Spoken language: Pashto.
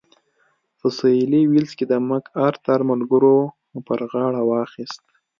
په سوېلي ویلز کې د مک ارتر ملګرو پر غاړه واخیست.